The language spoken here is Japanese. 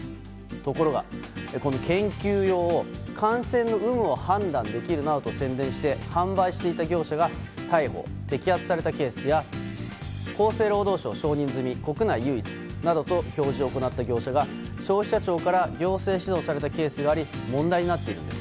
ところが、研究用を感染の有無を判断できるなどと宣伝して販売していた業者が逮捕・摘発されたケースや厚生労働省承認済み、国内唯一などと表示を行った業者が消費者庁から行政指導されたケースがあり問題になっているんです。